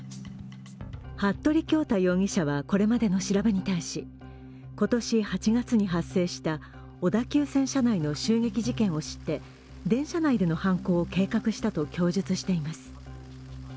服部恭太容疑者はこれまでの調べに対し、今年８月に発生した小田急線内の襲撃事件を知って電車内での犯行を計画したと供述しています。